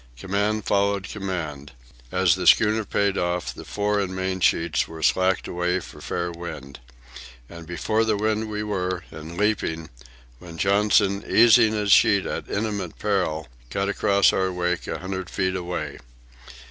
Command followed command. As the schooner paid off, the fore and main sheets were slacked away for fair wind. And before the wind we were, and leaping, when Johnson, easing his sheet at imminent peril, cut across our wake a hundred feet away.